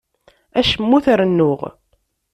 Acemma ur t-rennuɣ.